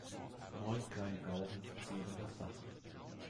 Neun kleine Gauben verzieren das Dach.